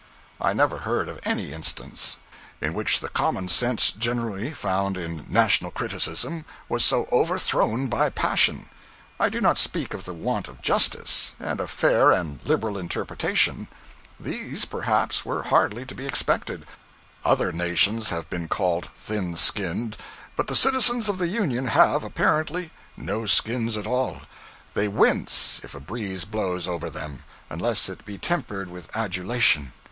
I never heard of any instance in which the commonsense generally found in national criticism was so overthrown by passion. I do not speak of the want of justice, and of fair and liberal interpretation: these, perhaps, were hardly to be expected. Other nations have been called thin skinned, but the citizens of the Union have, apparently, no skins at all; they wince if a breeze blows over them, unless it be tempered with adulation.